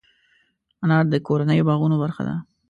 انار د کورنیو باغونو برخه ده.